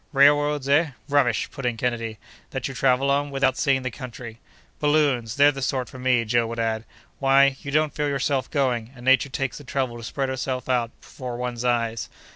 "Railroads! eh? rubbish!" put in Kennedy, "that you travel on, without seeing the country!" "Balloons! they're the sort for me!" Joe would add. "Why, you don't feel yourself going, and Nature takes the trouble to spread herself out before one's eyes!"